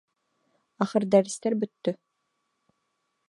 Ахыр дәрестәр бөттө.